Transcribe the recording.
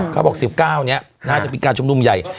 เขาบอกวันที่๑๙นี่น่าจะเป็นการชุมนุมใหญ่